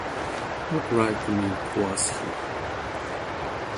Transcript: Not like mean towards him.